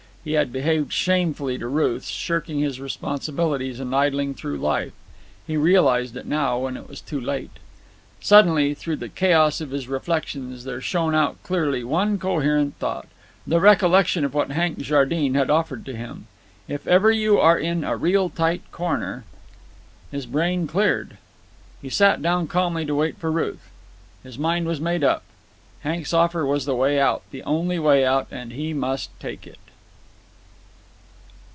He had behaved shamefully to Ruth, shirking his responsibilities and idling through life. He realized it now, when it was too late. Suddenly through the chaos of his reflections there shone out clearly one coherent thought, the recollection of what Hank Jardine had offered to him. "If ever you are in a real tight corner——" His brain cleared. He sat down calmly to wait for Ruth. His mind was made up. Hank's offer was the way out, the only way out, and he must take it.